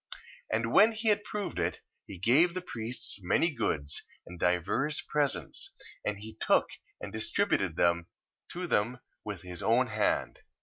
And when he had proved it, he gave the priests many goods, and divers presents, and he took and distributed them to them with his own hand.